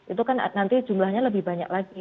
itu kan nanti jumlahnya lebih banyak lagi